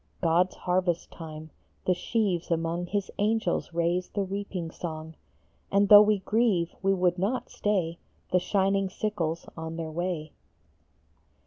God s harvest time ; the sheaves among, His angels raise the reaping song, And though we grieve, we would not stay The shining sickles on their way.